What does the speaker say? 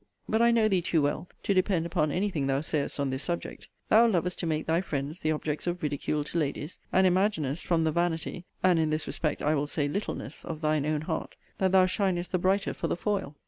But I know thee too well to depend upon any thing thou sayest on this subject. Thou lovest to make thy friends the objects of ridicule to ladies; and imaginest, from the vanity, (and, in this respect, I will say littleness,) of thine own heart, that thou shinest the brighter for the foil.